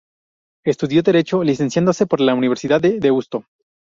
Estudió Derecho, licenciándose por la Universidad de Deusto.